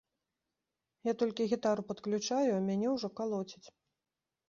Я толькі гітару падключаю, а мяне ўжо калоціць.